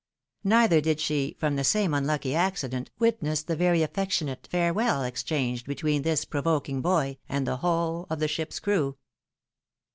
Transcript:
Neither did she, from the same unlucky accident, witness the very affectionate farewell exchanged between this provoking boy and the whole of the ship's crew.